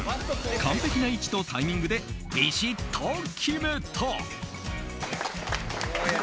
完璧な位置とタイミングでビシッと決めた。